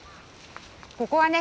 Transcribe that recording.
ここはね